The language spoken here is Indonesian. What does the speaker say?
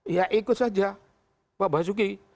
ya ikut saja pak basuki